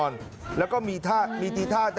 สวัสดีครับทุกคน